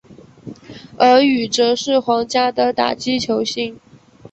而与则是皇家的打击球星。